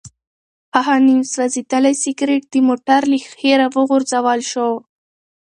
هغه نیم سوځېدلی سګرټ د موټر له ښیښې راوغورځول شو.